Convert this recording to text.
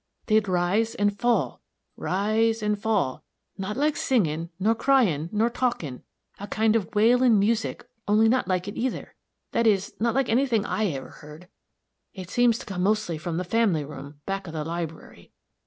"They'd rise and fall, rise and fall not like singing, nor crying, nor talking a kind of wailing music, only not like it, either that is, not like any thing I ever heard. It seems to come mostly from the family room, back o' the library.